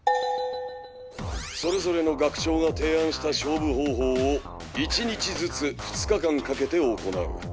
それぞれの学長が提案した勝負方法を１日ずつ２日間かけて行う。